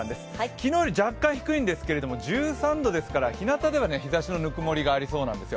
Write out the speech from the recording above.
昨日より若干低いんですけれども１３度ですからひなたでは日ざしの温もりがありそうなんですよ。